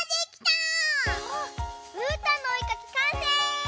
あっうーたんのおえかきかんせい！